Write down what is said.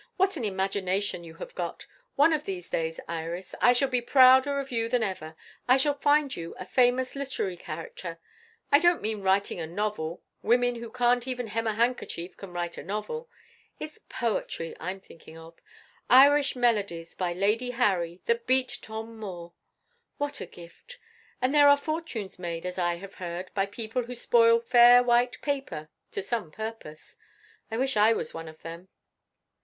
What an imagination you have got! One of these days, Iris, I shall be prouder of you than ever; I shall find you a famous literary character. I don't mean writing a novel; women who can't even hem a handkerchief can write a novel. It's poetry I'm thinking of. Irish melodies by Lady Harry that beat Tom Moore. What a gift! And there are fortunes made, as I have heard, by people who spoil fair white paper to some purpose. I wish I was one of them."